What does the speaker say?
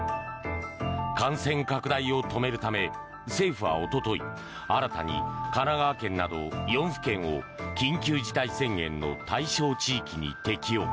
感染拡大を止めるため政府はおととい新たに神奈川県など４府県を緊急事態宣言の対象地域に適用。